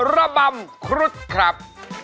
ระบำครุฑครับ